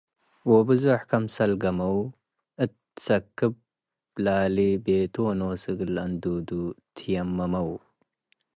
ወብዞሕ ክምሰል ገመው፡ እት ልሰክ'ብ ላሊ ቤቱ ወኖሱ እግል ለአንዱዱ ትያመመው።